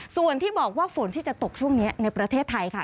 ส่วนที่บอกว่าฝนที่จะตกช่วงนี้ในประเทศไทยค่ะ